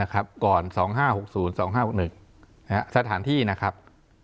ก่อน๒๕๖๐๒๕๖๑สถานที่นะครับ